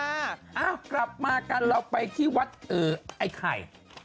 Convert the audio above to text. กลับมากันเราไปที่วัดไอ้ไข่